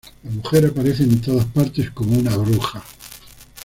La mujer aparece en todas partes como una "bruja".